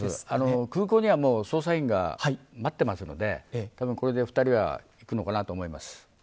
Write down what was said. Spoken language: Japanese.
空港には捜査員が待ってますのでたぶん、これで２人が行くのかなと思います。